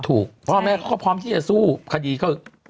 ถูกพ่อแม่เขาก็พร้อมที่จะสู้คดีก็